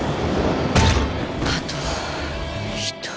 あと１人。